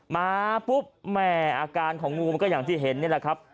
มาปุ๊บแม่อาการของงูมันก็อย่างที่เห็นนี่แหละครับ